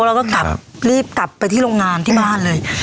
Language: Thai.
เราก็กลับรีบกลับไปที่โรงงานที่บ้านเลย